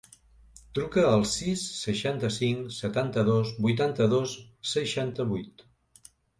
Truca al sis, seixanta-cinc, setanta-dos, vuitanta-dos, seixanta-vuit.